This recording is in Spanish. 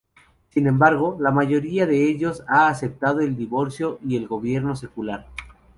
Sin embargo, la mayoría de ellos ha aceptado el divorcio y el gobierno secular.